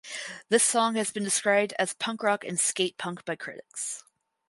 This song has been described as punk rock and skate punk by critics.